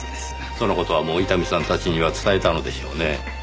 その事はもう伊丹さんたちには伝えたのでしょうねぇ。